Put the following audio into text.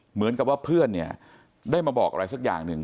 เหมือนกับว่าเพื่อนเนี่ยได้มาบอกอะไรสักอย่างหนึ่ง